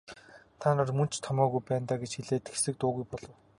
Та нар мөн ч томоогүй байна даа гэж хэлээд хэсэг дуугүй болов.